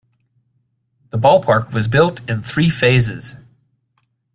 The ballpark was built in three phases.